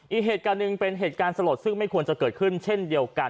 อีกเหตุการณ์หนึ่งเป็นเหตุการณ์สลดซึ่งไม่ควรจะเกิดขึ้นเช่นเดียวกัน